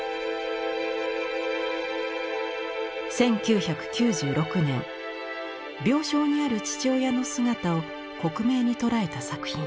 １９９６年病床にある父親の姿を克明に捉えた作品。